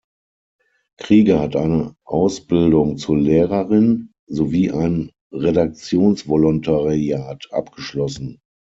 Krieger hat eine Ausbildung zur Lehrerin sowie ein Redaktionsvolontariat abgeschlossen.